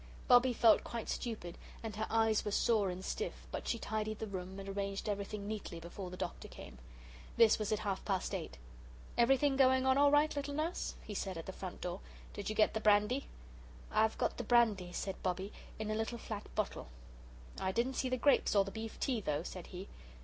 Bobbie felt quite stupid and her eyes were sore and stiff, but she tidied the room, and arranged everything neatly before the Doctor came. This was at half past eight. "Everything going on all right, little Nurse?" he said at the front door. "Did you get the brandy?" "I've got the brandy," said Bobbie, "in a little flat bottle." "I didn't see the grapes or the beef tea, though," said he.